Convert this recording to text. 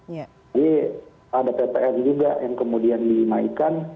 jadi ada ptn juga yang kemudian dimaikan